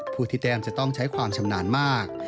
ผู้ที่แต้มจะต้องใช้ความชำนาญมาก